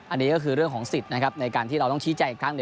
อันนี้ก็คือเรื่องของสิทธิ์นะครับในการที่เราต้องชี้แจงอีกครั้งหนึ่ง